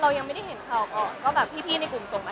อย่างที่สาวได้เห็นสัมภาษณ์พี่กอล์ฟไหมคะ